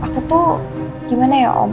aku tuh gimana ya om